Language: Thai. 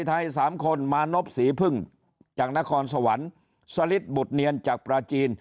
สามคนมานพศรีพึ่งจากนครสวรรค์สลิดบุตรเนียนจากปลาจีน